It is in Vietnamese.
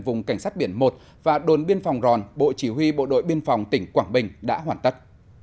vùng cảnh sát biển một và đồn biên phòng ròn bộ chỉ huy bộ đội biên phòng tỉnh quảng bình đã hoàn tất